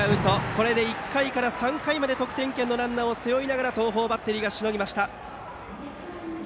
これで１回から３回まで得点圏のランナーを背負いながら東邦バッテリーがしのぎました。